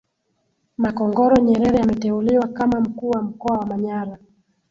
Makongoro Nyerere ameteuliwa kama Mkuu wa mkoa wa Manyara